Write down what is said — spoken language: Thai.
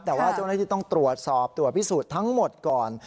แต่ว่าเจ้าหน้าที่ต้องตรวจสอบตรวจพิสูจน์ทั้งหมดก่อน